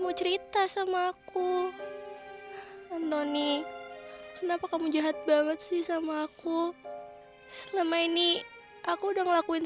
mau cerita sama aku antoni kenapa kamu jahat banget sih sama aku selama ini aku udah ngelakuin